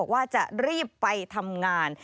ว่าจะรีบไปทำงาน